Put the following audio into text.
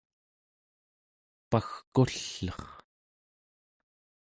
pagkull'er